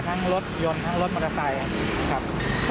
ทั้งรถยนต์ทั้งรถมอเตอร์ไซค์ครับ